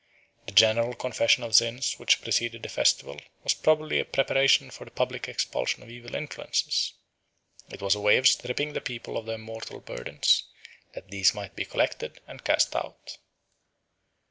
The general confession of sins which preceded the festival was probably a preparation for the public expulsion of evil influences; it was a way of stripping the people of their moral burdens, that these might be collected and cast out.